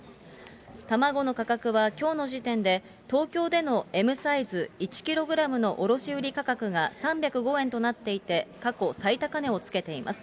卵の価格はきょうの時点で、東京でのＭサイズ１キログラムの卸売り価格が３０５円となっていて、過去最高値をつけています。